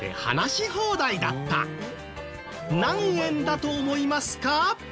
何円だと思いますか？